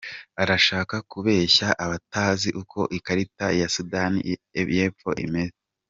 Arashaka kubeshya abatazi uko ikarita ya Sudani y’Epfo imeze.